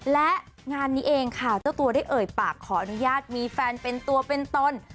และงานนี้เองค่ะเจ้าตัวได้เอ่ยปากขออนุญาตมีแฟนเป็นตัวเป็นตน